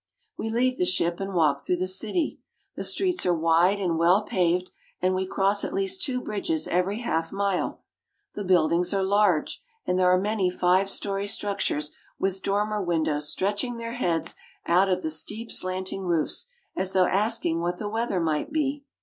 We leave the ship and walk through the city. The streets are wide and well paved, and we cross at least two bridges every half mile. The buildings are large, and there are many five story structures with dormer win dows stretching their heads out of the steep slanting roofs as though asking what the weather might be.